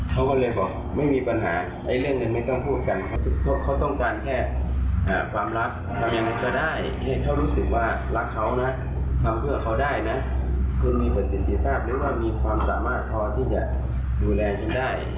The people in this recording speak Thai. ความสามารถพอที่จะดูแลฉันได้